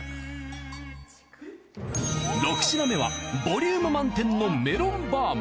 ６品目はボリューム満点のメロンバーム！